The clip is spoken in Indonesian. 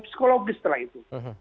psikologis setelah itu